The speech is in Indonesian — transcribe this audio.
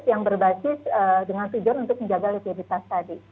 yang berbasis dengan tujuan untuk menjaga likuiditas tadi